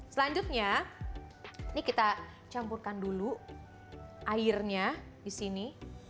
selanjutnya ini kita campurkan dulu airnya disini